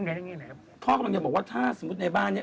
พี่อพ่อกำลังจะบอกว่าถ้าสมมุติในบ้านนี้